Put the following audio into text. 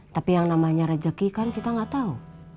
tapi yang namanya rejeki kan kita nggak tahu